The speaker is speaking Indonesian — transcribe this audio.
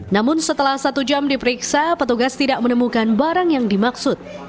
namun setelah satu jam diperiksa petugas tidak menemukan barang yang dimaksud